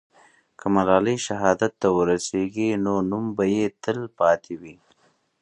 که ملالۍ شهادت ته ورسېږي، نو نوم به یې تل پاتې وي.